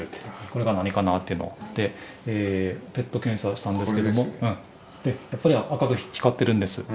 これが何かなっていうのでＰＥＴ検査をしたんですけどもやっぱり赤く光ってるんです。